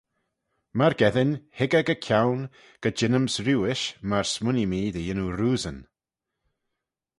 Myrgeddin, hig eh gy-kione, dy jeanyms riuish, myr smooinee mee dy yannoo roosyn.